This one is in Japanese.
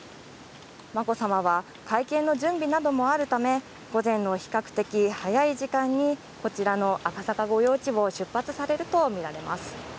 眞子さまは会見の準備などもあるため、午前の比較的早く時間に赤坂御用地を出発されるとみられます。